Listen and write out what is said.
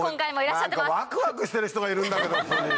何かワクワクしてる人がいるんだけどここに。